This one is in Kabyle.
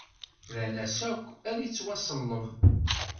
Rran-as akk: Ad ittwaṣelleb!